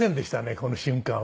この瞬間は。